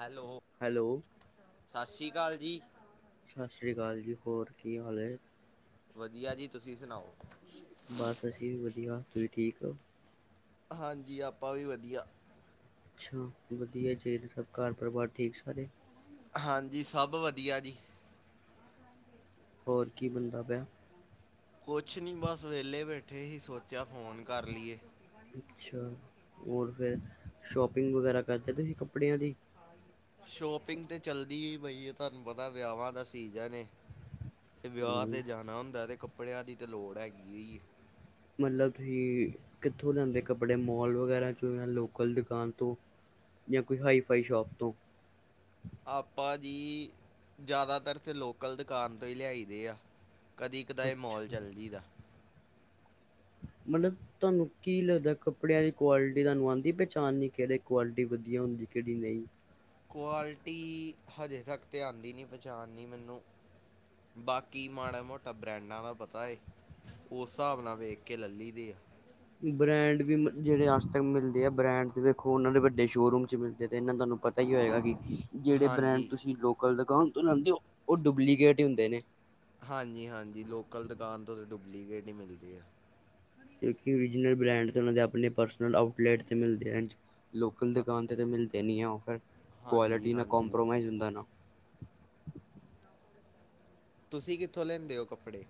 Hello? Hello ਸਤਿ ਸ਼੍ਰੀ ਅਕਾਲ ਜੀ। ਸਤਿ ਸ਼੍ਰੀ ਅਕਾਲ ਜੀ, ਹੋਰ ਕੀ ਹਾਲ ਹੈ? ਵਧੀਆ ਜੀ, ਤੁਸੀਂ ਸੁਣਾਓ? ਬਸ ਅਸੀਂ ਵਧੀਆ, ਤੁਸੀਂ ਠੀਕ ਹੋ? ਹਾਂਜੀ, ਆਪਾਂ ਵੀ ਵਧੀਆ। ਅੱਛਾ, ਵਧੀਆ ਚਾਹੀਦਾ ਸਭ ਘਰ ਪਰਿਵਾਰ ਠੀਕ ਸਾਰੇ? ਹਾਂਜੀ, ਸਭ ਵਧੀਆ ਜੀ। ਹੋਰ ਕੀ ਬੰਦਾ ਪਿਆ? ਕੁਛ ਨਹੀਂ ਬਸ ਵਿਹਲੇ ਬੈਠੇ ਹੀ ਸੋਚਿਆ ਫ਼ੋਨ ਕਰ ਲਈਏ। ਅੱਛਾ, ਹੋਰ ਫਿਰ ਸ਼ੋਪਿੰਗ ਵਗੈਰਾ ਕਰਦੇ ਤੁਸੀਂ ਕੱਪੜਿਆਂ ਦੀ? ਸ਼ੋਪਿੰਗ ਤੇ ਚੱਲਦੀ ਹੀ ਪਈ ਏ, ਤੁਹਾਨੂੰ ਪਤਾ ਵਿਆਹਾਂ ਦਾ ਸੀਜ਼ਨ ਏ। ਤੇ ਵਿਆਹ ਤੇ ਹਮ, ਜਾਣਾ ਹੁੰਦਾ ਤੇ ਕੱਪੜਿਆਂ ਦੀ ਤੇ ਲੋੜ ਹੈਗੀ ਹੈ। ਮਤਲਬ ਤੁਸੀਂ ਕਿੱਥੋਂ ਲਿਆਂਦੇ ਕੱਪੜੇ ਮੋਲ ਵਗੈਰਾ ਚੋ ਜਾਂ ਲੋਕਲ ਦੁਕਾਨ ਤੋਂ ਜਾਂ ਕੋਈ ਹਾਈ ਫਾਈ ਸ਼ੋਪ ਤੋਂ? ਆਪਾਂ ਜੀ ਜ਼ਿਆਦਾਤਰ ਅਤੇੇ ਲੋਕਲ ਦੁਕਾਨ ਤੋਂ ਹੀ ਲਿਆਈ ਦੇ ਆ ਕਦੀ ਕਦਾ ਮੋਲ ਅੱਛਾ ਚੱਲਜੀਦਾ ਮਤਲਬ ਤੁਹਾਨੂੰ ਕੀ ਲੱਗਦਾ ਕੱਪੜਿਆਂ ਦੀ ਕੁਆਲਿਟੀ ਤੁਹਾਨੂੰ ਆਉਂਦੀ ਪਹਿਚਾਣਨੀ ਕਿਹੜੇ ਕੁਆਲਿਟੀ ਵਧੀਆ ਹੁੰਦੀ ਕਿਹੜੀ ਨਹੀਂ ਕੁਆਲਿਟੀ ਹਜੇ ਤੱਕ ਧ ਆਉਂਦੀ ਨਹੀਂ ਪਚਾਣਨੀ ਮੈਨੂੰ ਬਾਕੀ ਮਾੜੇ ਮੋਟਾ ਬ੍ਰਾਂਡਾਂ ਦਾ ਪਤਾ ਹੈ। ਉਸ ਹਿਸਾਬ ਨਾਲ ਵੇਖ ਕੇ ਲੇ ਲੀ ਦੇ ਆ ਬ੍ਰੈਂਡ ਵੀ ਮ ਜਿਹੜੇ ਅੱਜ ਤੱਕ ਮਿਲਦੇ ਆ ਬ੍ਰੈਂਡ ਵੇਖੋ ਉਹਨਾਂ ਦੇ ਵੱਡੇ ਸ਼ੋਅਰੂਮ ਚ ਮਿਲਦੇ ਆ ਅਤੇ ਇਹਨਾਂ ਤੁਹਾਨੂੰ ਪਤਾ ਹੀ ਹੋਏਗਾ ਕਿ ਜਿਹੜੇ ਬ੍ਰੈਂਡ ਹਾਂਜੀ ਤੁਸੀਂ ਲੋਕਲ ਦੁਕਾਨ ਤੋਂ ਲਾਉਦੇ ਹੋ ਉਹ ਡੁਪਲੀਕੇਟ ਹੀ ਹੁੰਦੇ ਨੇ ਹਾਂਜੀ-ਹਾਂਜੀ ਲੋਕਲ ਦੁਕਾਨ ਤੋਂ ਤਾਂ ਡੁਪਲੀਕੇਟ ਹੀ ਮਿਲਦੇ ਹੈ। ਕਿਜਨਲ ਬ੍ਰੈਂਡ ਤੇ ਉਹ ਦੇ ਆਪਣੇ ਪਰਸਨਲ ਆਊਟਲੈਟ ਤੇ ਮਿਲਦੇ ਹਨ ਲੋਕਲ ਹਾਂ- ਦੁਕਾਨ ਤੇ ਮਿਲਦੇ ਜਿਨੀਆ ਉਟਫਿਤ ਹਾਂਜੀ ਕੁਆਲਿਟੀ ਨਾਲ ਹਾਂਜੀ ਕੰਪ੍ਰੋਮਾਈ ਹੁੰਦਾ ਨਾ ਤੁਸੀਂ ਕਿੱਥੋਂ ਲੈਂਦੇ ਹੋ ਕੱਪੜੇ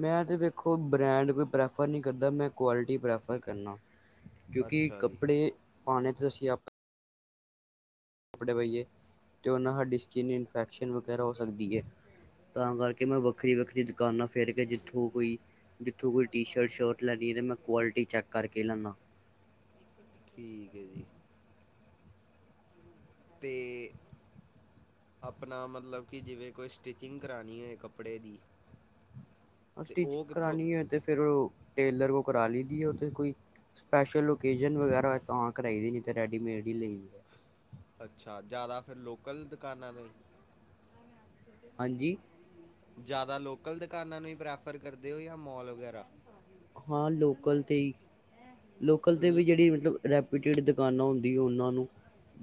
ਮੈਂ ਤਾਂ ਦੇਖੋ ਬ੍ਰੈਂਡ ਕੋਈ ਪ੍ਰੈਫਰ ਨਹੀਂ ਕਰਦਾ ਮੈਂ ਕਆਲਿਟੀ ਪ੍ਰੈਫਰ ਕਰਨਾ ਕਿਉਂਕਿ ਅੱਛਾ ਜੀ ਕੱਪੜੇ ਪਾਉਣੇ ਅਸੀਂ ਆਪ [unintelligible] ਉਹਨਾ ਸਾਡੀ ਸਕਿਨ ਇਨਫੈਕਸ਼ਨ ਵਗੈਰਾ ਹੋ ਸਕਦੀ ਐ। ਤਾਂ ਕਰਕੇ, ਮੈਂ ਵੱਖਰੀ-ਵੱਖਰੀ ਦੁਕਾਨਾਂ ਫਿਰ ਕੇ ਜਿੱਥੋਂ ਕੋਈ ਜਿੱਥੋਂ ਕੋਈ ਟੀ- ਸ਼ਰਟ, ਸ਼ਰਟ ਲੈਣੀ ਅਤੇ ਮੈਂ ਕੁਆਲਿਟੀ ਚੈੱਕ ਕਰਕੇ ਲੈਂਦਾ। ਠੀਕ ਹੈ ਜੀ। ਤੇ ਆਪਣਾ ਮਤਲਬ ਕਿ ਜਿਵੇਂ ਕੋਈ ਸਟਿਚਿੰਗ ਕਰਵਾਉਣੀ ਹੋਏ ਕੱਪੜੇ ਦੀ [inaudible] ਸਟਿਚਿੰਗ ਕਿੱਥੋਂ ਕਰਾਣੀ ਹੈ, ਤੇ ਫਿਰ ਟੇਲਰ ਕੋ ਕਰਾ ਲਦੀ ਹੈ। ਕੋਈ ਸਪੈਸ਼ਲ ਓਕੇਜਨ ਵਗੈਰਾ ਹੋਏ ਤਾਂ ਕਰਾਈ ਦੀ ਨਹੀਂ ਤੇ ਰੈਡੀਮੇਡ ਹੀ ਲਈ ਅੱਛਾ! ਜ਼ਿਆਦਾ ਫਿਰ ਲੋਕਲ ਦੁਕਾਨਾਂ ਨੇ। [inaudible] ਹਾਂਜੀ। ਜ਼ਿਆਦਾ ਲੋਕਲ ਦੁਕਾਨਾਂ ਨੂੰ ਹੀ ਪ੍ਰੈਫਰ ਕਰਦੇ ਹੋ ਜਾਂ ਮੋਲ ਵਗੈਰਾ। ਹਾਂ ਲੋਕਲ ਤੇ ਈ ਲੋਕਲ ਤੇ ਲ- ਵੀ ਜਿਹੜੀ ਮਤਲਬ ਰੈਪੀਟਿਡ ਦੁਕਾਨਾਂ ਹੁੰਦੀਆਂ, ਉਹਨਾਂ ਨੂੰ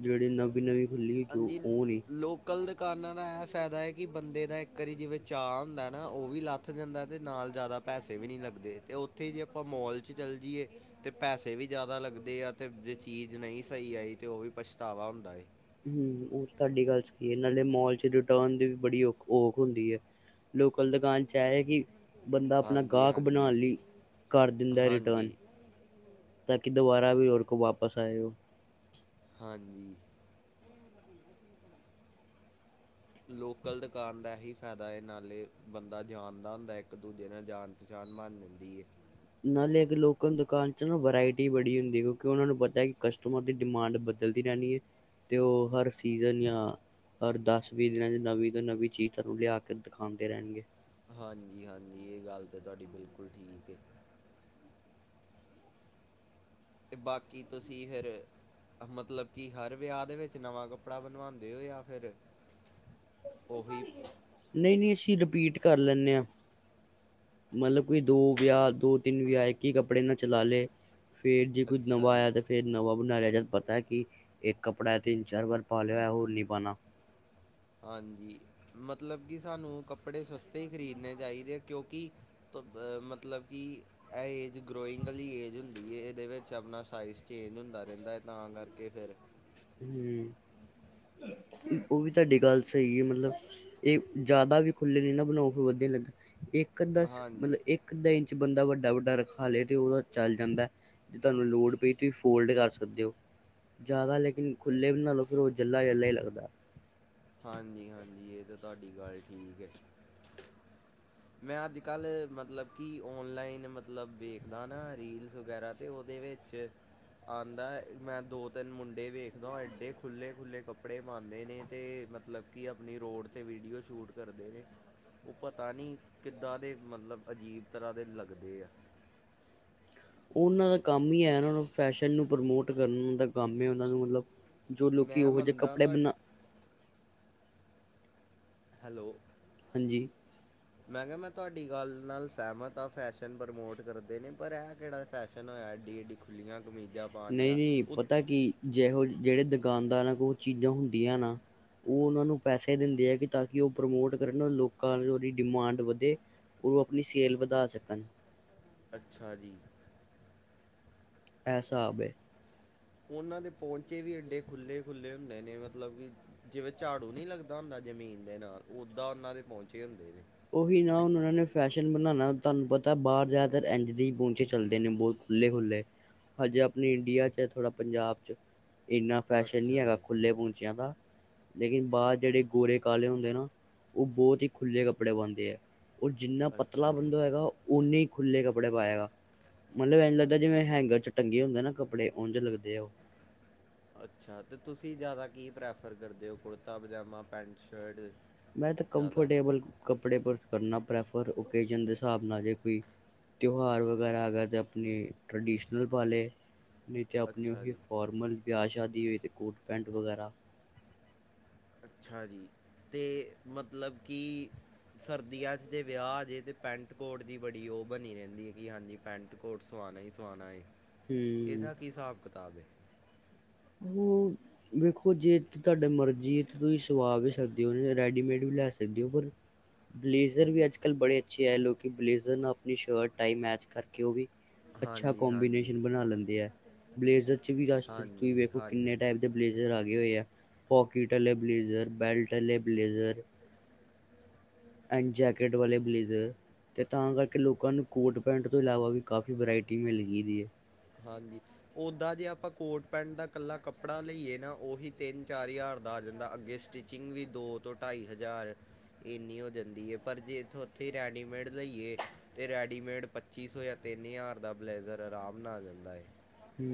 ਜਿਹੜੀ ਨਵੀਂ ਨਵੀਂ ਖੁੱਲ੍ਹੀ ਹੋ, ਉਹ ਨੀ ਕਲ ਦੁਕਾਨਨਾਂ ਦਾ ਇਹ ਫਾਇਦਾ ਕਿ ਬੰਦੇ ਦਾ ਇੱਕ ਵਾਰੀ ਜਿਵੇਂ ਚਾਅ ਹੁੰਦਾ ਨਾ ਉਹ ਵੀ ਲਾ ਉੱਥ ਜਾਂਦਾ ਅਤੇ ਨਾਲ ਜ਼ਿਆਦਾ ਪੈਸੇ ਵੀ ਨਹੀਂ ਲੱਗਦੇ, ਅਤੇ ਉੱਥੇ ਹੀ ਜੇ ਆਪਾਂ ਮੋਲ ਚ ਚੱਲ ਜਾਈਏ ਤੇ ਪੈਸੇ ਵੀ ਜ਼ਿਆਦਾ ਲੱਗਦੇ ਆ, ਤੇ ਜੇ ਚੀਜ਼ ਨਹੀਂ ਸਹੀ ਆਈ ਤੇ ਉਹ ਵੀ ਪਛਤਾਵਾ ਹੁੰਦਾ ਏ। ਹਮ, ਤੁਹਾਡੀ ਗੱਲ ਸਹੀ ਨਾਲੇ, ਮੋਲ ਚ ਰਿਟਰਨ ਦੀ ਬੜੀ ਖ ਔਖ ਹੁੰਦੀ ਹੈ। ਲੋਕਲ ਦੁਕਾਨ ਚ ਹੈ ਕਿ ਬੰਦਾ ਆਪਣਾ ਹਾਂਜੀ ਗਾਹਕ ਹਾਂਜੀ ਬਣਾਉਣ ਲਈ ਕਰ ਦਿੰਦਾ ਰਿਟਰਨ ਹਾਂਜੀ [inaudible] ਤਾਂ ਕਿ ਦੁਬਾਰਾ ਵੀ ਹੋਰ ਕੋਲ ਵਾਪਸ ਆਏਓ ਹਾਂਜੀ। ਲੋਕਲ ਦੁਕਾਨ ਦਾ ਇਹੀ ਫਾਇਦਾ ਹੈ, ਨਾਲੇ ਬੰਦਾ ਜਾਣਦਾ ਹੁੰਦਾ ਇੱਕ-ਦੂਜੇ ਨਾਲ ਜਾਣ ਜਾਨ ਮਾਨ ਮਿਲਦੀ ਏ। ਨਾਲੇ ਇੱਕ ਲੋਕਲ ਦੁਕਾਨ ਚ ਨਾ ਵਰਾਇਟੀ ਬੜੀ ਹੁੰਦੀ ਹੈ, ਕਿਉਂਕਿ ਉਹਨਾਂ ਨੂੰ ਪਤਾ ਕਿ ਕਸਟਮਰ ਦੀ ਡਿਮਾਂਡ ਬਬ ਬਦਲਦੀ ਰਹਿਣੀ ਹੈ ਤੇ ਉਹ ਹਰ ਸੀਜ਼ਨ ਯ ਹਰ ਦਸ ਵੀਹ ਦਿਨਾਂ ਚ ਨਵੀਂ ਤੋਂ ਨਵੀਂ ਚੀਜ਼ ਤੁਹਾਨੂੰ ਲਿਆ ਕੇ ਦਿਖਾਉਂਦੇ ਰਹਿਣਗੇ। ਹਾਂਜੀ! ਹਾਂਜੀ! ਇਹ ਗੱਲ ਤਾਂ ਤੁਹਾਡੀ ਬਿਲਕੁਲ ਠੀਕ ਹੈ। ਤੇ ਬਾਕੀ ਤੁਸੀਂ ਫੇਰ ਆ ਮਤਲਬ ਕੀ ਹਰ ਵਿਆ ਦੇ ਵਿੱਚ ਨਵਾਂ ਕੱਪੜਾ ਬਣਵਾਂਦੇ ਓ, ਜਾਂ ਫੇਰ ਓਹੀ ਨ‌ਈ-ਨ‌ਈ ਅਸੀਂ ਰਪੀਟ ਕਰ ਲੈਂਣੇ ਆਂ। ਮਲਬ ਕੋਈ ਦੋ ਅੱਛਾ ਜੀ ਵਿਆ, ਦੋ -ਤਿੰਨ ਵਿਆ ਇੱਕ ਉ ਕੱਪੜੇ ਨਾ ਚਲਾ ਲੇ। ਫੇਰ ਜੇ ਕੋਈ ਅੱਛਾ ਨਵਾਂ ਆਇਆ ਜੀ ਤੇ ਫੇਰ ਨਵਾਂ ਬਣਾ ਲਿਆ। ਜਦ ਪਤਾ ਕੀ ਇੱਕ ਕੱਪੜਾ ਤਿੰਨ- ਚਾਰ ਵਾਰ ਪਾ ਲਿਆ ਓਇਆ, ਹੋਰ ਨੀ ਪਾਣਾ। ਹਾਂਜੀ- ਮਤਲਬ ਕੀ ਸਾਨੂੰ ਕੱਪੜੇ ਸਸਤੇ ਈ ਖ਼ਰੀਦਣੇ ਚਾਈਦੇ ਕਿਉਂਕਿ ਤ ਮਤਲਬ ਕੀ ਐ ਮੈਂ ਏਜ ਗਰੋਇੰਗ ਅਲੀ ਏਜ ਹੁੰਦੀ ਏ, ਏਦੇ ਵਿੱਚ ਆਪਣਾ ਸਾਈਜ਼ ਚੇਂਜ ਹੁੰਦਾ ਰੈਂਦਾ ਏ ਤਾਂ ਕਰਕੇ ਫੇਰ ਹੂੰ- ਓ ਵੀ ਤਾਡੀ ਗੱਲ ਸ‌ਈ ਏ ਮਲਬ ਏ ਜਾਦਾ ਵੀ ਖੁੱਲੇ ਨੀ ਨਾ ਬਣਾਓ, ਫੇਰ ਵਧੀਆ ਨੀ ਲੱਗੇ। ਇੱਕ ਅੱਧਾ ਸ ਹਾਂਜੀ ਮਲਬ ਇੱਕ ਅੱਧਾ ਇੰਚ ਬੰਦਾ ਵੱਡਾ ਵੱਡਾ ਰਖਾ ਲੇ, ਤੇ ਓ ਚੱਲ ਜਾਂਦਾ। ਜੇ ਤਾਨੂੰ ਲੋੜ ਪਈ ਤੁਹੀ ਫੋਲਡ ਕਰ ਸਕਦੇ ਓ। ਜਾਦਾ ਲੈ ਲੇਕਿਨ ਖੁੱਲੇ ਬਣਾ ਲੋ, ਓ ਜੱਲਾ ਜੱਲਾ ਈ ਲੱਗਦਾ‌। ਹਾਂਜੀ- ਹਾਂਜੀ ਏ ਤੇ ਤਾਡੀ ਗੱਲ ਠੀਕ ਏ। ਮੈਂ ਅੱਜ ਕੱਲ੍ਹ ਮਤਲਬ ਕੀ ਔਨਲਾਈਨ ਮਤਲਬ ਵੇਖਦਾ ਨਾ ਰੀਲਸ ਵਗੈਰਾ, ਤੇ ਓਦੇ ਵਿੱਚ 'ਚ- ਆਂਦਾ। ਮੈਂ ਦੋ ਤਿੰਨ ਮੁੰਡੇ ਵੇਖਦਾ ਓ ਏਡੇ ਖੁੱਲੇ-ਖੁੱਲ੍ਹੇ ਕੱਪੜੇ ਪਾਂਦੇ ਨੇ, ਤੇ ਮਤ ਮਲਬ ਕੀ ਆਪਣੀ ਰੋਡ ਤੇ ਵੀਡੀਓ ਸ਼ੂਟ ਕਰਦੇ ਦੇ। ਓ ਪਤਾ ਨੀ ਕਿੱਦਾਂ ਦੇ ਮਤਲਬ ਅਜੀਬ ਤਰ੍ਹਾਂ ਦੇ ਲੱਗਦੇ ਆ। ਓਨਾਂ ਦਾ ਕੰਮ ਈ ਐ ਨਾ ਫੈਸ਼ਨ ਨੂੰ ਪ੍ਰਮੋਟ ਕਰਨ ਦਾ ਕੰਮ ਐ। ਓਨਾਂ ਨੂੰ ਮਲਬ ਜੋ ਲੋਕੀ ਮੈਂ ਓਹੋ ਜੇ ਮੰਨਦਾ ਕੱਪੜੇ ਤੁਹਾ ਬਨਾ ਹੈਲੋ ਹਾਂਜੀ। ਮੈਂ ਕਿਆ ਮੈ ਤੋਆਡੀ ਗੱਲ ਨਾਲ ਸੈਮਤ ਆਂ, ਫੈਸ਼ਨ ਪ੍ਰਮੋਟ ਕਰਦੇ ਨੇ। ਪਰ ਐ ਕੇੜਾ ਫੈਸ਼ਨ ਹੋਇਆ ਐਡੀ ਐਡੀ ਖੁੱਲੀਆਂ ਕਮੀਜਾਂ ਨਈ -ਨਈ ਪਤਾ ਕੀ ਜੇਹੋ ਜੇੜੇ ਦੁਕਾਨਦਾਰਾ ਕੋ ਓ ਚੀਜ਼ਾਂ ਹੁੰਦੀਆਂ ਨਾ ਓ ਓਨਾਂ ਨੂੰ ਪੈਸੇ ਦਿੰਦੇ ਐ ਕੀ ਤਾਂਕਿ ਓ ਪ੍ਰਮੋਟ ਕਰਨ। ਲੋਕਾਂ 'ਚ ਓਦੀ ਡਿਮਾਂਡ ਵਧੇ। ਓ ਆਪਣੀ ਸੇਲ ਵਧਾ ਸਕਨ। ਅੱਛਾ ਜੀ। ਐ ਸਾਬ ਏ। ਓਨਾਂ ਦੇ ਪੋਂਚੇ ਵੀ ਐਡੇ ਖੁੱਲੇ ਖੁੱਲੇ ਹੁੰਦੇ ਨੇ ਮਤਲਬ ਕੀ ਜਿਵੇਂ ਝਾੜੂ ਨੀ ਲੱਗਦਾ ਹੁੰਦਾ ਜਮੀਨ ਦੇ ਨਾਲ, ਓਦਾਂ ਓਨਾਂ ਦੇ ਪੋਂਚੇ ਹੁੰਦੇ ਜੇ। ਓਹੀ ਨਾ ਹੁਣ ਓਨਾਂ ਨੇ ਫੈਸ਼ਨ ਬਣਾਨਾ, ਤਾਨੂੰ ਪਤਾ ਬਾਰ ਜਾਦਾਤਰ ਏਂਝ ਦੇ ਈ ਪੋਂਚੇ ਚੱਲਦੇ ਨੇ ਬੌਤ। ਖੁੱਲੇ ਖੁੱਲੇ। ਹਜੇ ਆਪਨੇ ਇੰਡੀਆ 'ਚ ਐ ਥੋੜਾ ਪੰਜਾਬ 'ਚ ਏਨਾ ਫੈਸ਼ਨ ਨੀ ਅੱਛਾ ਹੈਗਾ ਜੀ ਖੁੱਲੇ ਪੋਂਚਿਆਂ ਦਾ। ਲੇਕਿਨ ਬਾਰ ਜੇੜੇ ਗੋਰੇ-ਕਾਲੇ ਹੁੰਦੇ ਨਾ, ਓ ਬੋਤ ਈ ਖੁੱਲੇ ਕੱਪੜੇ ਪਾਂਦੇ ਆ। ਓ ਜਿੰਨਾ ਪਤਲਾ ਅੱਛਾ ਬੰਦਾ ਹੋਏਗਾ, ਓਨੇ ਈ ਖੁੱਲੇ ਕੱਪੜੇ ਪਾਏਗਾ। ਮਲਬ ਏਂਝ ਲੱਗਦਾ ਜਿਵੇ ਹੈਂਗਰ 'ਚ ਟੰਗੇ ਹੁੰਦੇ ਨਾ ਕੱਪੜੇ, ਉਂਝ ਲਗਦੇ ਆ ਓ। ਅੱਛਾ ਤੇ ਤੁਸੀ ਜਾਦਾ ਕੀ ਪ੍ਰੈਫਰ ਕਰਦੇ ਓ ਕੁੜਤਾ-ਪਜਾਮਾ, ਪੈਂਟ-ਸ਼ਰਟ ਮੈ ਤੇ ਕੰਫਰਟੇਬਲ ਕੱਪੜੇ ਪਰ ਕਰਨਾ ਪ੍ਰੈਫਰ ਓਕੇਜਨ ਦੇ ਸਾਬ ਨਾਲ। ਜੇ ਕੋਈ ਤਿਓਹਾਰ ਵਗੈਰਾ ਆਗੇ ਆ ਤੇ ਅਪਨੀ ਟਰੈਡੀਸ਼ਨਲ ਪਾਲੇ ਨਈ ਤੇ ਆਪਣੀ ਅੱਛਾ ਓਹੀ ਜੀ ਫੋਰਮਲ, ਵਿਆ ਸ਼ਾਦੀ ਓਈ ਤੇ ਕੋਟ-ਪੈਂਟ ਵਗੈਰਾ। ਅੱਛਾ ਜੀ ਤੇ ਮਤਲਬ ਕੀ ਸਰਦੀਆਂ 'ਚ ਜੇ ਵਿਆ ਆ ਜੇ ਤੇ ਪੈਂਟ-ਕੋਟ ਦੀ ਬੜੀ ਓ ਬਨੀ ਰੈਂਦੀ ਏ, ਕੀ ਹਾਂਜੀ ਪੈਂਟ-ਕੋਟ ਸਵਾਨਾ ਹੀ ਸਵਾਨਾ ਏ, ਹਮ ਏਦਾ ਕੀ ਹਿਸਾਬ-ਕਿਤਾਬ ਏ? ਓ ਵੇਖੋ ਜੇ ਤੁਆਡਾ ਮਰਜੀ ਤੇ ਤੁਸੀਂ ਸੁਵਾ ਵੀ ਸਕਦੇ ਓਹੋ ਰੈਡੀਮੇਡ ਵੀ ਲੈ ਸਕਦੇ ਓ ਪਰ ਬਲੇਜ਼ਰ ਵੀ ਅੱਜ-ਕੱਲ ਬੜੇ ਅੱਛੇ ਆਏ ਲੋਕਿਨ ਬਲੇਜ਼ਰ ਨਾਲ ਅਪਨੀ ਸ਼ਰਟ, ਟਾਈ ਮੈਚ ਕਰਕੇ ਉ ਵੀ ਅੱਛਾ ਹਾਂਜੀ ਹਾਂਜੀ ਕੋਂਬੀਨੇਸ਼ਨ ਬਣਾ ਲੈਂਦੇ ਆ, ਬਲੇਜ਼ਰ ਚ ਵੀ ਰਾਸ਼ ਹਾਂਜੀ ਹਾਂਜੀ ਬਲੇਜਰ ਆ ਗਏ ਹੋਏ ਆ, ਪੋਕੀਟ ਆਲੇ ਬਲੇਜ਼ਰ, ਬੈਲਟ ਆਲੇ ਬਲੇਜ਼ਰ [unintelligible] ਐਨ ਜੈਕੇਟ ਵਾਲੇ ਬਲੇਜ਼ਰ। ਤੇ ਅੰ ਕਰਕੇ ਲੋਕਾਂ ਨੂੰ ਕੋਟ-ਪੈਂਟ ਤੋ ਇਲਾਵਾ ਵੀ ਕਾਫੀ ਵੈਰਾਇਟੀ ਮਿਲ ਗੀ ਦੀ ਏ। ਹਾਂਜੀ ਓਦਾਂ ਜੇ ਆਪਾ ਕੋਟ-ਪੈਂਟ ਦਾ ਕੱਲਾ ਕੱਪੜਾ ਲਈਏ ਨਾ ਓਹੀ ਤਿੰਨ-ਚਾਰ ਹਜਾਰ ਦਾ ਆ ਜਾਂਦਾ, ਅੱਗੇ ਸਟਿਚ ਚਿੰਗ ਵੀ ਦੋ, ਤੋਂ ਟਾਈ ਹਜਾਰ ਏਨੀ ਹੋ ਜਾਂਦੀ ਏ ਪਰ ਜੇ ਏਥੋਂ ਓਥੇ ਰੈਡੀਮੇਡ ਲਈਏ ਤੇ ਰੈਡੀਮੇਡ ਪੱਚੀ- ਸੌ ਜਾ ਤਿੰਨ ਹਜ਼ਾਰ ਦਾ ਬਲੇਜ਼ਰ ਆਰਾਮ ਨਾਲ ਆ ਜਾਂਦਾ ਏ। ਹੂੰ।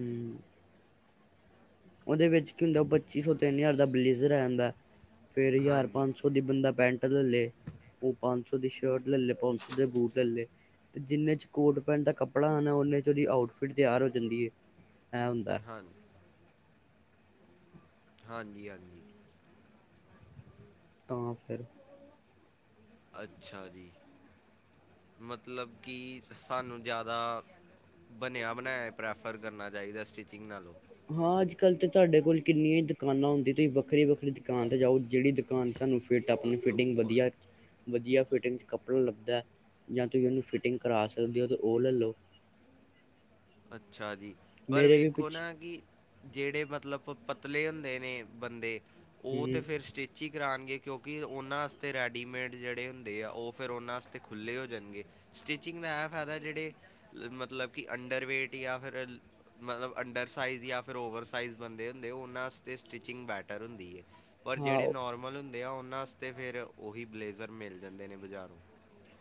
ਓਦੇ ਵਿੱਚ ਕੀ ਹੁੰਦਾ ਪੱਚੀ-ਸੌ ਤਿੰਨ ਜਾਰ ਦਾ ਬਲੇਜ਼ਰ ਆ ਜਾਂਦਾ। ਫੇਰ ਹਜਾਰ, ਹਾਂਜੀ ਪੰਜ-ਸੌ ਦੀ ਬੰਦਾ ਪੈਂਟ ਲੇਲ ਲਏ। ਓ ਪੰਜ ਸੌ ਦੀ ਸ਼ਰਟ ਲਲ ਲਏ, ਪੰਜ ਸੌ ਦੇ ਬੂਟ ਲਲ ਲਏ। ਤੇ ਜਿੰਨੇ ਚ ਕੋਟ-ਪੈਂਟ ਦਾ ਕੱਪੜਾ ਆਣਾ, ਓਨੇ ਚ ਓਦੀ ਆਊਟਫਿਟ ਤਿਆਰ ਹੋ ਜਾਂਦੀ ਏ ਐ ਹੁੰਦਾ। ਹਨ ਹਾਂਜੀ-ਹਾਂਜੀ। ਤਾਂ ਫਿਰ ਅੱਛਾ ਜੀ, ਮਤਲਬ ਕਿ ਸਾਨੂੰ ਜਾਦਾ ਬਨੇਆ-ਬਨਾਇਆ ਪ੍ਰੈਫਰ ਕਰਨਾ ਚਾਈਦਾ ਸਟਿਚਿੰਗ ਨਾਲੋ। ਹਾਂ ਅੱਜ-ਕੱਲ ਤੇ ਤੋਆਡੇ ਕੋਲ ਕਿੰਨੀਆ ਈ ਦੁਕਾਨਾ ਹੁੰਦੀ ਤੁਸੀਂ ਵੱਖਰੀ- ਵੱਖਰੀ ਦੁਕਾਨ ਤੇ ਜਾਓ ਜਿਹੜੀ ਦੁਕਾਨ ਤੁਹਾਨੂੰ ਫਿਟ ਆਪਣੀ ਫਿਟਿੰਗ ਜੋ- ਵਧੀਆ। ਵਧੀਆ ਫਿਟਿੰਗ ਚ ਕੱਪੜਾ ਲੱਭਦਾ ਹੈ। ਜਾਂ ਤੁਸੀਂ ਉਹਨੂੰ ਫਿਟਿੰਗ ਕਰਾ ਸਕਦੇ ਹੋ ਤਾਂ ਉਹ ਲੈ ਲਓ। ਅੱਛਾ ਜੀ, ਪਰ ਮੇਰੇ ਵੀ ਵੇਖੋ ਪਿੱਛੇ ਨਾ ਕਿ। ਜਿਹੜੇ ਮਤਲਬ ਖੁਦ ਪਤਲੇ ਹੁੰਦੇ ਨੇ ਬੰਦੇ ਉਹ ਤਾਂ ਹੂੰ ਫਿਰ ਸਟਿਚ ਕਰਾਨਗੇ ਕਿਉਂਕਿ ਉਹਨਾਂ ਵਾਸਤੇ ਰੈਡੀਮੇਡ ਜਿਹੜੇ ਹੁੰਦੇ ਆ, ਉਹ ਫੇਰ ਉਹਨਾਂ ਵਾਸਤੇ ਖੁੱਲੇ ਹੋ ਜਾਣਗੇ। ਸਟਿਚਿੰਗ ਦਾ ਇਹ ਫਾਇਦਾ ਜੇਡੇ ਮਤਲਬ ਕਿ ਅੰਡਰ ਵੇਟ ਯਾਂ ਫਿਰ। ਮਤਲਬ ਅੰਡਰ ਸਾਈਜ਼ ਯਾ ਫਿਰ ਓਵਰ ਸਾਈਜ਼ ਬੰਦੇ ਹੁੰਦੇ ਓਨਾ ਵਾਸਤੇ ਸਟਿਚਿੰਗ ਬੈਟਰ ਹੁੰਦੀ ਏ। ਪਰ ਹਾਂ ਜਿਹੜੇ ਨੋਰਮਲ ਹੁੰਦੇ ਆ ਉਹਨਾਂ ਵਾਸਤੇ ਫਿਰ ਉਹੀ ਬਲੇਜ਼ਰ ਮਿਲ ਜਾਂਦੇ ਨੇ ਬਜ਼ਾਰੋਂ।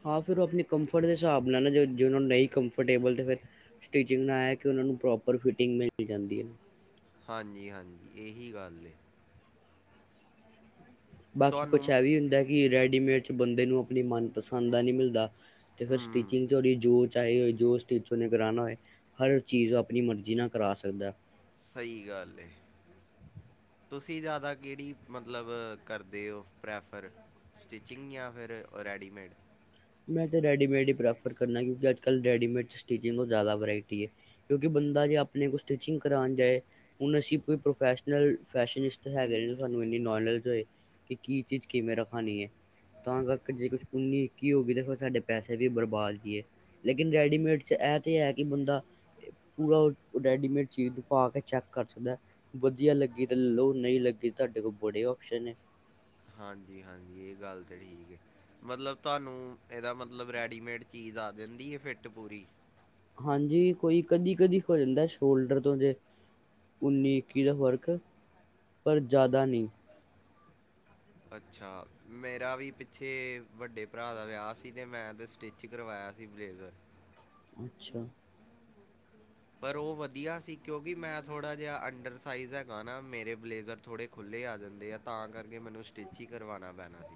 ਹਾਂ, ਫਿਰ ਉਹ ਆਪਣੇ ਕੰਫਰਟ ਦੇ ਹਿਸਾਬ ਨਾਲ ਨਾ ਜਿ ਨਹੀਂ ਕੰਫਰਟੇਬਲ ਤੇ ਫਿਰ। ਸਟਿਚਿੰਗ ਨਾਲ ਇਹ ਹੈ ਕਿ ਉਹਨਾਂ ਨੂੰ ਪ੍ਰੋਪਰ ਫਿਟਿੰਗ ਮਿਲ ਜਾਂਦੀ ਏ। ਹਾਂਜੀ- ਹਾਂਜੀ ਏਹੀ ਗੱਲ ਏ। ਬਾਕੀ ਕੁਛ ਤੁਹਾਨੂੰ ਇਹ ਵੀ ਹੁੰਦਾ ਕਿ ਰੈਡੀਮੇਡ 'ਚ ਬੰਦੇ ਨੂੰ ਆਪਣੀ ਮਨਪਸੰਦ ਦਾ ਨੀ ਮਿਲਦਾ। ਤੇ ਫਿਰ ਹੂੰ ਸਟਿਚਿੰਗ ਤੁਹਾਡੀ ਜੋਰ। ਚਾਹੇ ਉਹ ਜੋ ਸਟਿਚ ਉਹਨੇ ਕਰਾਨਾ ਹੋਵੇ ਹਰ ਚੀਜ਼ ਉਹ ਆਪਣੀ ਮਰਜ਼ੀ ਨਾਲ ਕਰਾ ਸਕਦਾ। ਸਹੀ ਗੱਲ ਏ। ਤੁਸੀਂ ਜ਼ਿਆਦਾ ਕਿਹੜੀ ਮਤਲਬ ਕਰਦੇ ਓ ਪ੍ਰੈਫਰ? ਸਟਿਚਿੰਗ ਯਾਂ ਫਿਰ ਰੈਡੀਮੇਡ? ਮੈਂ ਤਾਂ ਰੈਡੀਮੇਡ ਹੀ ਪ੍ਰੈਫਰ ਕਰਨਾ, ਕਿਉਂਕਿ ਅੱਜ ਕੱਲ ਰੈਡੀਮੇਡ ਚ ਸਟਿਚਿੰਗ ਤੋਂ ਜਾਦਾ ਵਰਾਇਟੀ ਏ। ਕਿਉਂਕਿ ਬੰਦਾ ਜੇ ਆਪਣੇ ਕੋ ਸਟਿਚਿੰਗ ਕਰਾਉਣ ਜਾਏ, ਹੁਣ ਅਸੀ ਕੋਈ ਪ੍ਰੋਫੈਸ਼ਨ। ਦੇਖੋ ਜੀ ਫੈਸ਼ਨਿਸਤ ਤੇ ਹੈਗੇ ਨੇ ਸਾਨੂੰ ਇੰਨੀ ਨੌਲੇਜ ਏ। ਕੀ ਚੀਜ਼ ਕਿਵੇਂ ਰਖਾਣੀ ਐ, ਤਾਂ ਕਰਕੇ ਜੇ ਕੁਝ ਉਨੀ ਕੀ ਹੋ ਗਿਆ ਦੇਖੋ ਸਾਡੇ ਪੈਸੇ ਵੀ ਬਰਬਾਦ ਦੀਏ ਲੇਕਿਨ ਰੈਡੀਮੇਡ ਚ ਇਹ ਤੇ ਇਹ ਹੈ ਕਿ ਬੰਦਾ ਪੂਰਾ ਰੈਡੀਮੇਡ ਚੀਜ਼ ਪਾ ਕੇ ਚੈੱਕ ਕਰ ਸਕਦਾ। ਵਧੀਆ ਲੱਗੀ ਤੇ ਲੈਲੋ ਨਹੀਂ ਲੱਗੀ ਤੁਹਾਡੇ ਕੋਲ ਬੜੇ ਓਪਸ਼ਨ ਨੇ। ਹਾਂਜੀ- ਹਾਂਜੀ ਇਹ ਗੱਲ ਤਾਂ ਠੀਕ ਹੈ। ਮਤਲਬ ਤੁਹਾਨੂੰ ਇਹਦਾ ਮਤਲਬ ਰੈਡੀਮੇਡ ਚੀਜ਼ ਆ ਜਾਂਦੀ ਹੈ। ਫਿੱਟ ਪੂਰੀ? ਹਾਂਜੀ, ਕੋਈ ਕਦੀ -ਕਦੀ ਹੋ ਜਾਂਦਾ ਸ਼ੋਲਡਰ ਤੋਂ ਜੇ ਉੱਨੀ, ਇੱਕੀ ਦਾ ਫਰਕ ਪਰ ਜ਼ਿਆਦਾ ਨਹੀਂ। ਅੱਛਾ। ਮੇਰਾ ਵੀ ਪਿੱਛੇ ਵੱਡੇ ਭਰਾ ਦਾ ਵਿਆਹ ਸੀ ਤੇ ਮੈਂ ਤੇ ਸਟਿਚ ਕ ਕਰਵਾਇਆ ਸੀ ਬਲੇਜ਼ਰ। ਅੱਛਾ। ਪਰ ਉਹ ਵਧੀਆ ਸੀ ਕਿਉਂਕਿ ਮੈਂ ਥੋੜ੍ਹਾ ਜਿਹਾ ਅੰਡਰ ਸਾਈਜ਼ ਹੈਗਾ ਨਾ ਮੇਰੇ ਬਲੇਜ਼ਰ ਥੋੜ੍ਹੇ ਖੁੱਲ੍ਹੇ ਆ ਜਾਂਦੇ ਆ ਤਾਂ ਕਰਕੇ ਮੈਨੂੰ ਸਟਿਚ ਹੀ ਕਰਵਾਨਾ ਪੈਣਾ ਸੀ।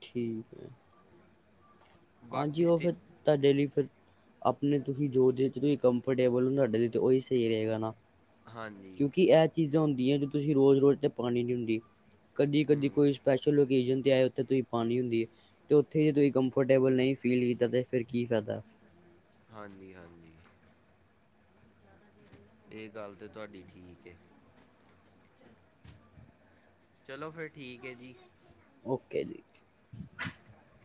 ਠੀਕ ਹੈ। ਹਾਂਜੀ। ਬਾਕੀ ਉਹ ਸਟਿਚ ਫਿਰ ਤੁਹਾਡੇ ਲਈ ਫਿਰ ਆਪਣੇ ਤੁਸੀਂ ਜੋ ਜਿਚ ਤੁਸੀਂ ਕੰਫਰਟੇਬਲ ਤੁਹਾਡੇ ਲਈ ਉਹੀ ਸਹੀ ਰਹੇਗਾ ਨਾ। ਹਾਂਜੀ ਕਿਉਂਕਿ ਇਹ ਚੀਜ਼ਾਂ ਹੁੰਦੀਆਂ ਤੁਸੀਂ ਰੋਜ਼- ਰੋਜ਼ ਤੇ ਪਾਣੀ ਨਹੀਂ ਹੁੰਦੀ ਕਦੀ -ਕਦੀ ਹੂੰ ਕੋਈ ਸਪੈਸ਼ਲ ਓਕੇਜਨ ਤੇ ' ਆਏ ਉੱਥੇ ਤੁਸੀਂ ਪਾਣੀ ਹੁੰਦੀ ਹੈ ਅਤੇ ਉੱਥੇ ਜ ਤੁਂ ਕੰਫਰਟ ਟੇਬਲ ਨਹੀਂ ਫੀਲ ਕੀਤਾ ਤੇ ਫਿਰ ਕੀ ਫਾਇਦਾ? ਹਾਂਜੀ- ਹਾਂਜੀ। ਇਹ ਗੱਲ ਤਾਂ ਤੁਹਾਡੀ ਠੀਕ ਹੈ। ਚਲੋ ਫੇਰ ਠੀਕ ਹੈ ਜੀ। ਓਕੇ ਜੀ। [inaudible]